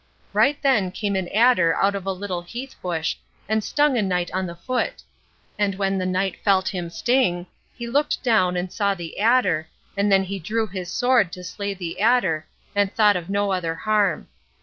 Right then came an adder out of a little heath bush, and stung a knight on the foot. And when the knight felt him sting, he looked down and saw the adder, and then he drew his sword to slay the adder, and thought of no other harm.